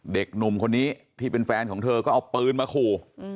เด็กหนุ่มคนนี้ที่เป็นแฟนของเธอก็เอาปืนมาขู่